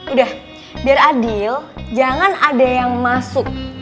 udah biar adil jangan ada yang masuk